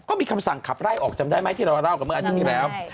ก็มีคำสั่งขับไล่ออกจำได้ไหมที่เราเล่ากับเมื่ออาทิตย์ที่แล้ว